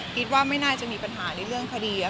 คิดว่าไม่น่าจะมีปัญหาในเรื่องคดี